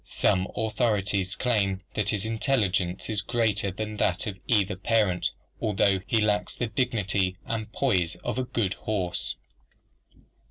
Some authorities claim that his intelligence is greater than that of either parent, although he lacks the dignity and poise of a good horse.